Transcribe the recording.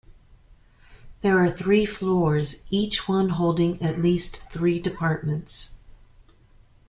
There are three floors, each one holding at least three departments.